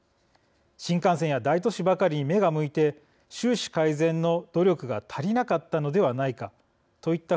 「新幹線や大都市圏ばかりに目が向いて、収支改善の努力が足りなかったのではないか」といった